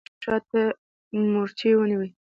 عسکرو د تيږو شا ته مورچې ونيولې.